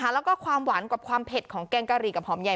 แล้วก็ความหวานกับความเผ็ดของแกงกะหรี่กับหอมใหญ่